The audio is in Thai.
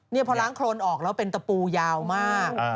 นี่พอล้างโครนออกแล้วเป็นตะปูยาวมาก